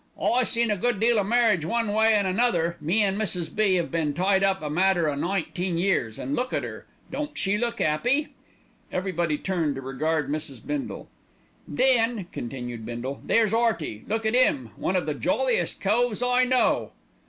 "I seen a good deal o' marriage one way an' another. Me an' Mrs. B. 'ave been tied up a matter o' nineteen years, an' look at 'er. Don't she look 'appy?" Everybody turned to regard Mrs. Bindle. "Then," continued Bindle, "there's 'Earty. Look at 'im. One of the jolliest coves I know."